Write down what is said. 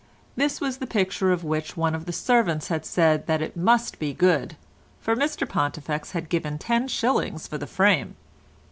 This was the picture of which one of the servants had said that it must be good, for Mr Pontifex had given ten shillings for the frame.